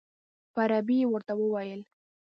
په عربي یې ورته وویل.